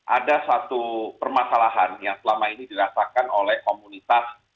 ada satu permasalahan yang selama ini dirasakan oleh komunitas